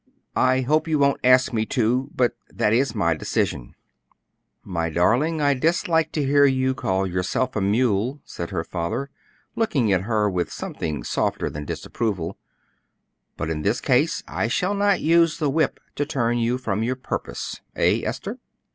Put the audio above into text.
"I hope you won't ask me to, but that is my decision." "My darling, I dislike to hear you call yourself a mule," said her father, looking at her with something softer than disapproval; "but in this case I shall not use the whip to turn you from your purpose. Eh, Esther?"